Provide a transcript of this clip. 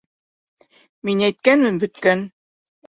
— Мин әйткәнмен, бөткән.